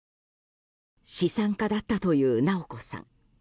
資産家だったという直子さん。